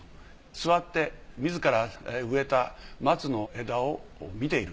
座って自ら植えた松の枝を見ている。